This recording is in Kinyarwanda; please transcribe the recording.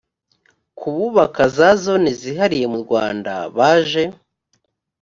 ku bubaka za zone zihariye murwanda baje